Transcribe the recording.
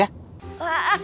wah siap juragan